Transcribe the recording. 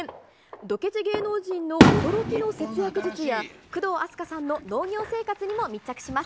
ドケチ芸能人の驚きの節約術や、工藤あすかさんの農業生活にも密着します。